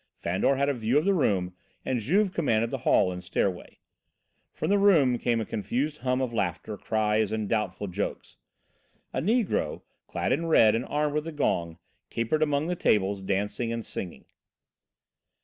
Fandor had a view of the room and Juve commanded the hall and stairway. From the room came a confused hum of laughter, cries and doubtful jokes. A negro, clad in red and armed with a gong, capered among the tables, dancing and singing.